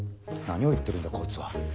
何を言ってるんだこいつは。